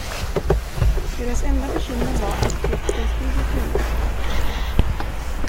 Deras enda bekymmer var, att flocken skulle bli skingrad.